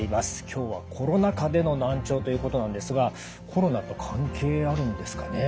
今日はコロナ禍での難聴ということなんですがコロナと関係あるんですかね。